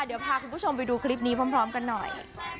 เดี๋ยวพาคุณผู้ชมไปดูคลิปนี้พร้อมกันหน่อย